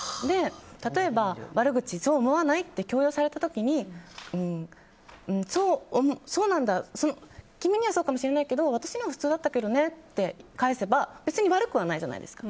例えば、悪口そう思わない？って強要された時に君にはそうかもしれないけど私には普通だったけどねって返せば、別に悪くはないじゃないですか。